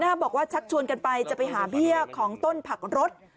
บอกว่าชักชวนกันไปจะไปหาเบี้ยของต้นผักรถ